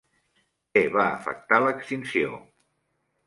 Què va afectar l'extinció?